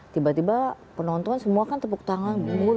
tiba tiba penonton semua kan tepuk tangan